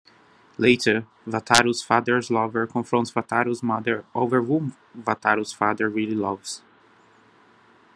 Later, Wataru's father's lover confronts Wataru's mother over who Wataru's father really loves.